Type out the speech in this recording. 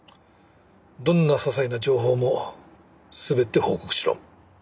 どんな些細な情報も全て報告しろ。